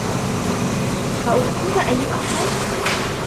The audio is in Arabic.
أاصيب اي احد؟